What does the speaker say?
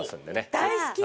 大好き！